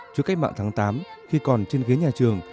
trước cách mạng tháng tám khi còn trên ghế nhà trường